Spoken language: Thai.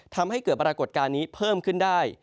ทำให้เกิดปรากฏการณ์นี้เพิ่มขึ้นได้